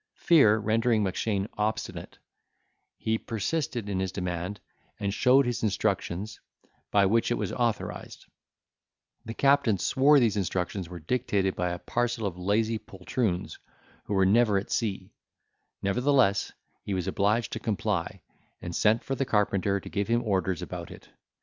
Fear rendering Mackshane obstinate, he persisted in his demand, and showed his instructions, by which it was authorised; the captain swore these instructions were dictated by a parcel of lazy poltroons who were never at sea; nevertheless he was obliged to comply, and sent for the carpenter to give him orders about it.